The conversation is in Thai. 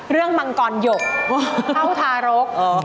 เรื่องมังกรหยกเท่าทารก